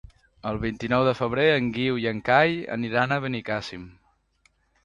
El vint-i-nou de febrer en Guiu i en Cai aniran a Benicàssim.